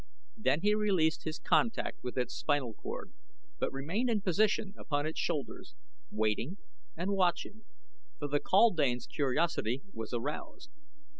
Then he released his contact with its spinal cord; but remained in position upon its shoulders, waiting and watching, for the kaldane's curiosity was aroused.